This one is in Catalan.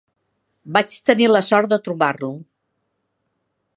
Vaig tenir la sort de trobar-lo.